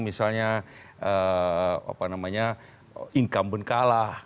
misalnya incumbent kalah